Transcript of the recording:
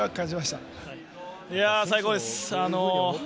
最高です。